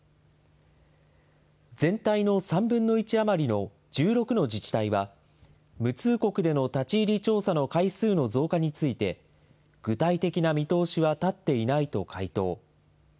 全体の３分の１余りの１６の自治体は、無通告での立ち入り調査の回数の増加について、具体的な見通しは立っていないと回答。